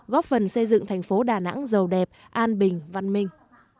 góp phần xây dựng thành phố đà nẵng giàu đẹp an bình văn minh